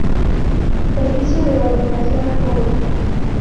Servicio de orientación a jóvenes.